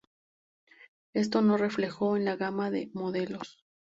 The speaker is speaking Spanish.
Esto se reflejó en la gama de modelos.